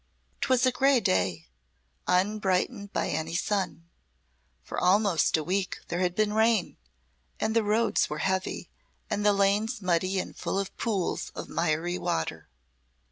'Twas a grey day, unbrightened by any sun. For almost a week there had been rain, and the roads were heavy and the lanes muddy and full of pools of miry water.